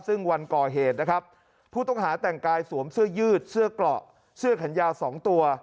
ซึ่งวันก่อเหตุนะครับผู้ต้องหาแต่งกายสวมเสื้อยืดเสื้อเกราะเสื้อแขนยาว๒ตัว